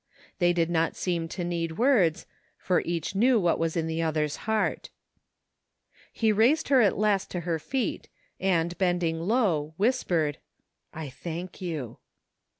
They did not seem to need words, for each knew what was in the other's heart. He raised her at last to her feet and, bending low, whispered :" I thank you.''